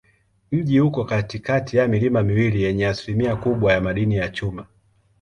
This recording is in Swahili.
Mji uko katikati ya milima miwili yenye asilimia kubwa ya madini ya chuma.